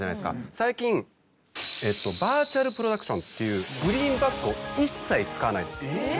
最近バーチャルプロダクションっていうグリーンバックを一切使わないんです。